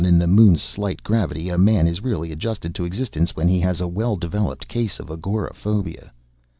In the Moon's slight gravity, a man is really adjusted to existence when he has a well developed case of agoraphobia.